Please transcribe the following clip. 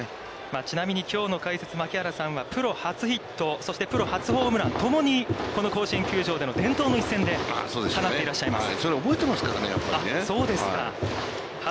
ちなみにきょうの解説槙原さんはプロ初ヒット、そしてプロ初、この甲子園球場での伝統の一戦で放っていらっしゃいます。